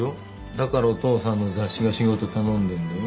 だからお父さんの雑誌が仕事頼んでんだよ。